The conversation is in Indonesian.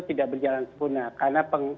tidak berjalan sempurna karena